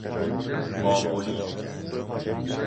بابلی